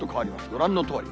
ご覧のとおり。